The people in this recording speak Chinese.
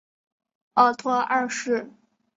奥托二世。